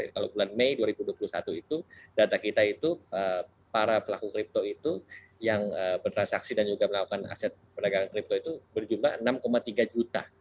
kalau bulan mei dua ribu dua puluh satu itu data kita itu para pelaku kripto itu yang bertransaksi dan juga melakukan aset perdagangan kripto itu berjumlah enam tiga juta